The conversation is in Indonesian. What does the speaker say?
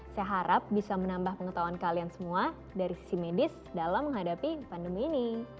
saya harap bisa menambah pengetahuan kalian semua dari sisi medis dalam menghadapi pandemi ini